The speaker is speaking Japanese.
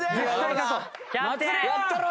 やったろう！